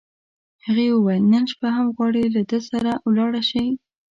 هغې وویل: نن شپه هم غواړې، له ده سره ولاړه شې؟